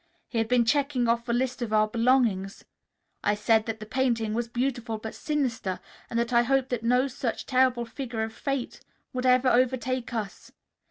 He had been checking off a list of our belongings. I said that the painting was beautiful but sinister, and that I hoped that no such terrible figure of Fate would ever overtake us.